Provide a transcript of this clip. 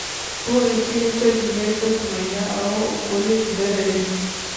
ubu iki ni cyo gihe cyo kumenya aho ukuri guherereye